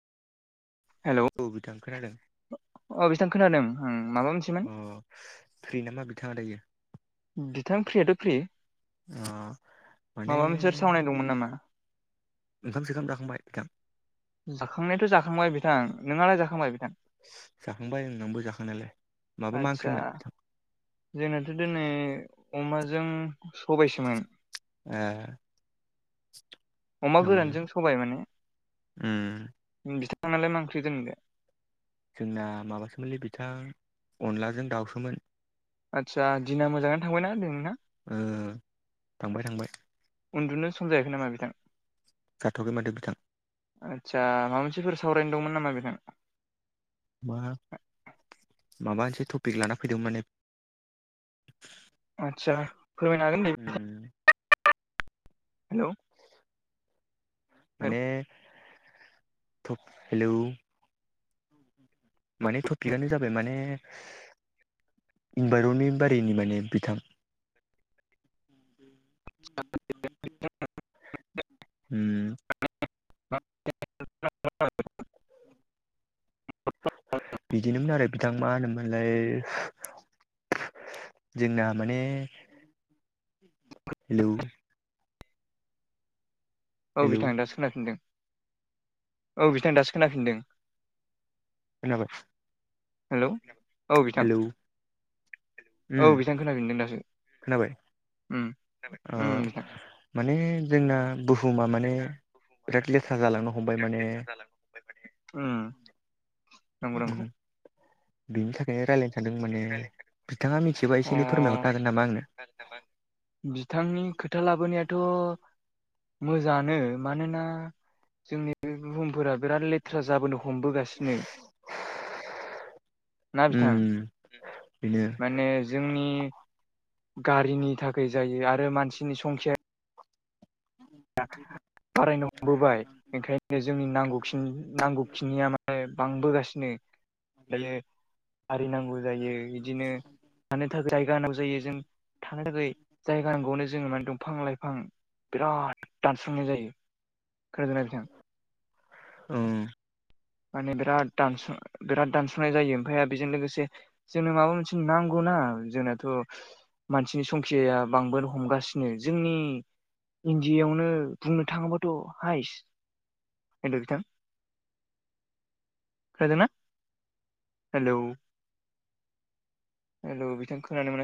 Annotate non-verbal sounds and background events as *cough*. औब बिथां खोनादों औ बिथां खोनादों उम माबा मोनसेमोन अ फ्रि नामा बिथाङा दायो बिथां फ्रियाथ' फ्रि अ माने माबा मोनसे सावनाय दंमोन नामा ओंखाम सोखाम जाखांबाय बिथां जाखांनायाथ' जाखांबाय बिथां नोंङालाय जाखांबाय बिथां जाखांबाय ओं आंबो जाखांनायालाय माबा मा आदसा ओंख्रिमोन बिथां जोंनाथ' दिनै अमाजों सबायसोमोन ए अमा गोरानजों सबाय माने ओम बिथांनालाय मा ओंख्रि दोनैलाय जोंना माबासोमोनलै बिथां अनलाजों दाउसोमोन आदसा दिना मोजाङानो थांबायना दोनैना ओ थांबाय थांबाय उन्दुनो सम जायाखै नामा बिथां जाथ'आखै माथो बिथां आदसा माबा मोनसेफोर सावरायनो दंमोन नामा बिथां मा माबा मोनसे टपिक लाना फैदों माने आदसा फोरमायनो हागोन दे उम हेलौ माने तप हेलौ माने टपिकआनो जाबाय माने *unintelligible* बारिनि माने बिथां *unintelligible* *unintelligible* उम *unintelligible* बिदिनोमोन आरो बिथां मा होनोमोनलाय जोंना माने हेलौ औ हेलौ बिथां दासो खोनाफिनदों औ बिथां दासो खोनाफिनदों खोनाबाय हेलौ औ बिथां हेलौ औ उम बिथां खोनागिनदों दासो उम अ उम बिथां माने जोंना बुहुमा माने बिराद लेथ्रा जालांनो हमबाय माने ओम नंगौ उम नंगौ बिनि थाखायनो रायलाय सान्दों माने बिथाङा मिथिबा एसे एनै फोरमायहरनो अ हागोन नामा आंनो बिथांनि खोथा लाबोनायाथ' मोजाङानो मानोना जोंनि बुहुमफोरा बिराद लेथ्रा जाबोनो हमबोगासिनो ना बिथां उम बेनो माने जोंनि गारिनि थाखाय जायो आरो मानसिनि संख्या *inaudible* बारायनो हमबोबाय ओंखायनो जोंनि नांगौखि नांगौखिनिया माने बांबोगासिनो ओमफायो आरिनांगौ जायो बिदिनो थानो थाखाय जायगा नांगौ जायो जों थांनो थाखाय जायगा नांगौनो जोङो माने दंफां लाइफां बिराद दानस्रांनाय जायो *unintelligible* ओं माने बिराद दानस बिराद दानस'नाय जायो ओमफ्राय बेजों लोगोसे जोंनो माबा मोनसे नांगौ ओ जोंनाथ' मानसिनि संख्याया बांबोनो हमगासिनो जोंनि इण्डियायावनो बुंनो थाङोबाथ' हायस *unintelligible* खोनादोंना हेल' हेल' बिथां खोनानो मोना